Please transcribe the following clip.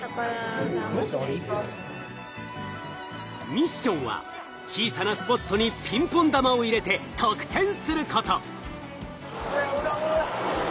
ミッションは小さなスポットにピンポン玉を入れて得点すること。